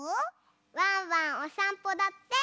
ワンワンおさんぽだって！